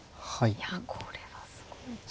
いやこれはすごいな。